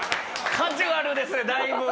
カジュアルですねだいぶ。